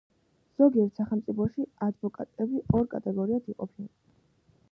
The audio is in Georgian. ზოგიერთ სახელმწიფოში ადვოკატები ორ კატეგორიად იყოფიან.